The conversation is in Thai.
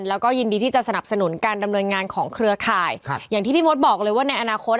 แล้วก็ยินดีที่จะสนับสนุนการดำเนินงานของเครือข่ายครับอย่างที่พี่มดบอกเลยว่าในอนาคต